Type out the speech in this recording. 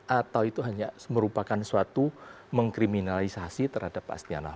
atau itu hanya merupakan suatu mengkriminalisasi terhadap pak astiano